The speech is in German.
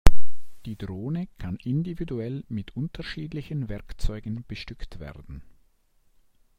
Die Drohne kann individuell mit unterschiedlichen Werkzeugen bestückt werden.